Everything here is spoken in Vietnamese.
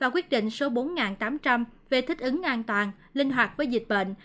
quyết định số bốn tám trăm linh về thích ứng an toàn linh hoạt với dịch bệnh